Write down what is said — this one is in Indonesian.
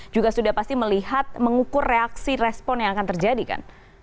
juga sudah pasti melihat mengukur reaksi respon yang akan terjadi kan